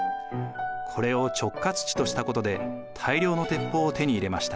これを直轄地としたことで大量の鉄砲を手に入れました。